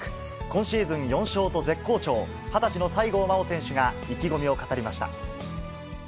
今シーズン４勝と絶好調、２０歳の西郷真央選手が意気込みを語りました。